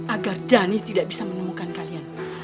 agar dhani tidak bisa menemukan kalian